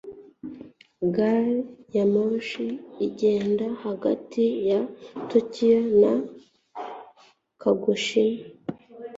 Gari ya moshi igenda hagati ya Tokiyo na Kagoshima